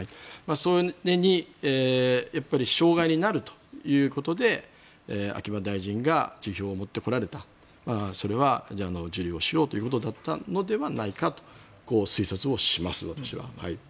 それに障害になるということで秋葉大臣が辞表を持ってこられたそれは受理をしようということだったのではないかとこう推察をします、私は。